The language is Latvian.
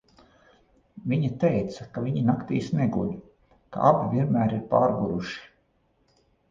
Viņa teica, ka viņi naktīs neguļ, ka abi vienmēr ir pārguruši.